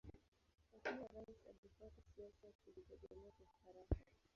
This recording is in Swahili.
Akiwa rais alifuata siasa ya kujitegemea kwa Ufaransa.